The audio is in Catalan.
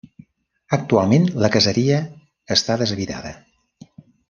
Actualment la caseria està deshabitada.